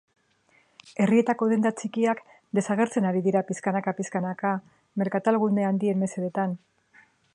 Herrietako denda txikiak desagertzen ari dira pixkanaka pixkanaka merkatal gune handien mesedetan.